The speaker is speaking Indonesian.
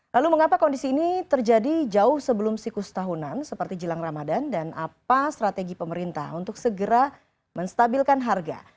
lalu mengapa kondisi ini terjadi jauh sebelum siklus tahunan seperti jelang ramadan dan apa strategi pemerintah untuk segera menstabilkan harga